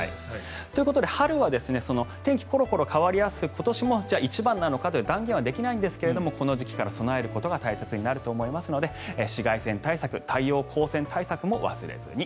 ということで春は天気がコロコロ変わりやすく今年も一番なのかと断言はできませんがこの時期から備えることが大切になると思いますので紫外線対策、太陽光線対策も忘れずに。